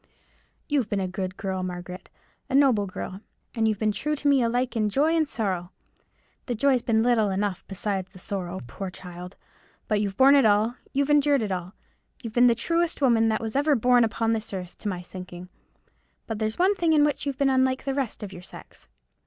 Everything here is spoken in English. You've been a good girl, Margaret—a noble girl; and you've been true to me alike in joy and sorrow—the joy's been little enough beside the sorrow, poor child—but you've borne it all; you've endured it all. You've been the truest woman that was ever born upon this earth, to my thinking; but there's one thing in which you've been unlike the rest of your sex."